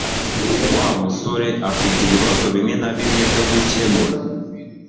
wa musoreafite ibibazo bimwe na bimwe byo gukemura